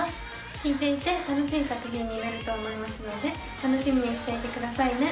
聴いていて楽しい作品になると思いますので、楽しみにしていてくださいね。